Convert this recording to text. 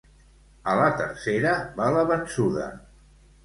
A la tercera va la vençuda